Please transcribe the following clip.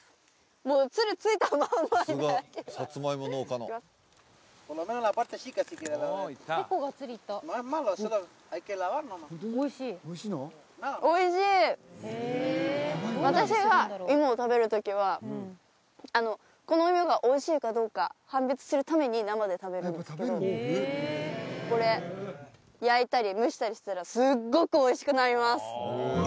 もうおいしい私がイモを食べる時はこのイモがおいしいかどうか判別するために生で食べるんですけどこれ焼いたり蒸したりしたらすっごくおいしくなります